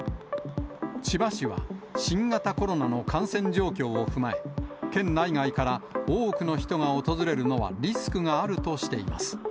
千葉市は、新型コロナの感染状況を踏まえ、県内外から多くの人が訪れるのは、リスクがあるとしています。